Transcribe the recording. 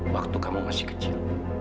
waktu kamu masih kecil